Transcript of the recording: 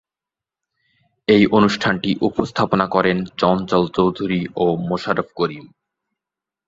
এই অনুষ্ঠানটি উপস্থাপনা করেন চঞ্চল চৌধুরী ও মোশাররফ করিম।